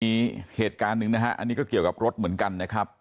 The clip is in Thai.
มีเหตุการณ์หนึ่งนะฮะอันนี้ก็เกี่ยวกับรถเหมือนกันนะครับ